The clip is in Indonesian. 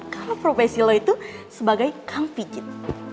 kalau profesi lo itu sebagai kang pijit